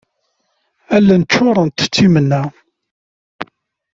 Allen ččurent d timenna.